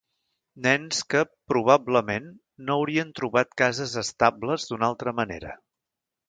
Nens que, probablement, no haurien trobat cases estables d'una altra manera.